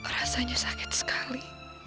rasanya sakit sekali